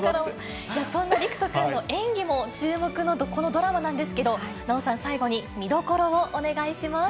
そんな陸翔君の演技も注目のこのドラマなんですけれども、奈緒さん、最後に見どころをお願いします。